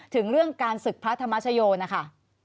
ถึงเรื่องการศึกพระธรรมชโยนะคะ